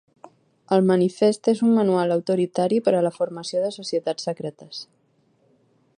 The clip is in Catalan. El manifest és un manual autoritari per a la formació de societats secretes.